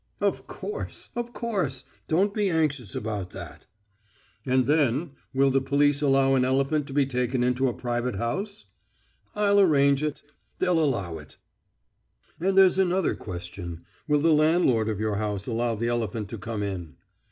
"Of course, of course ... don't be anxious about that." "And then: will the police allow an elephant to be taken into a private house?" "I'll arrange it. They'll allow it." "And there's another question: will the landlord of your house allow the elephant to come in?"